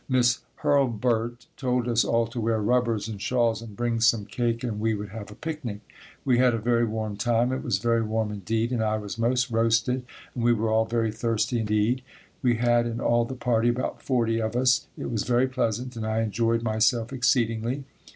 "Miss Hurlburt told us all to wear rubbers and shawls and bring some cake and we would have a picnic. We had a very warm time. It was very warm indeed and I was most roasted and we were all very thirsty indeed. We had in all the party about 40 of us. It was very pleasant and I enjoyed myself exceedingly.